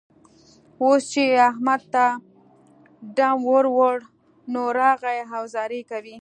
اوس چې يې احمد ته ډم ور وړ؛ نو، راغی او زارۍ کوي.